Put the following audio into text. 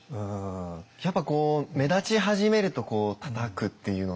やっぱ目立ち始めるとこうたたくっていうのって